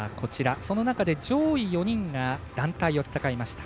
その中で上位４人が団体を戦いました。